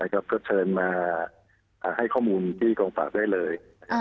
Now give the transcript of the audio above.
ก็เชิญมาให้ข้อมูลที่กองปราบได้เลย